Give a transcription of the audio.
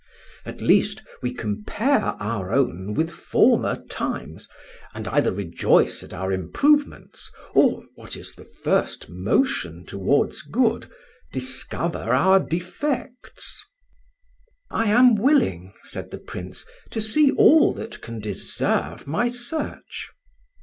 At least we compare our own with former times, and either rejoice at our improvements, or, what is the first motion towards good, discover our defects." "I am willing," said the Prince, "to see all that can deserve my search."